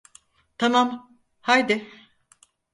Tamam, haydi.